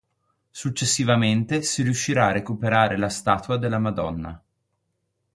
Successivamente si riuscirà a recuperare la statua della Madonna.